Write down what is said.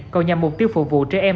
còn nhằm mục tiêu phục vụ trẻ em